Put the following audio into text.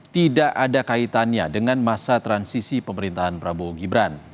tidak ada kaitannya dengan masa transisi pemerintahan prabowo gibran